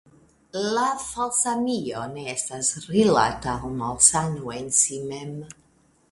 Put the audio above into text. La falsa Mio ne estas rilata al malsano en si mem.